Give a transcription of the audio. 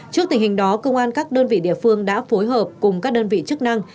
trước tình hình đó công an các đơn vị địa phương đã phối hợp cùng các đơn vị chức năng